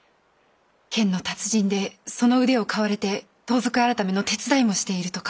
剣の達人でその腕を買われて盗賊改の手伝いもしているとか。